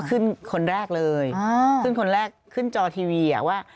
ขึ้นคนแรกเลยขึ้นคนแรกขึ้นจอทีวีอ่ะว่า